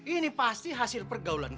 ini pasti hasil pergaulan